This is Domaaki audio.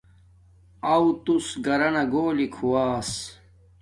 اُو توس گھرانا گھولی گھواس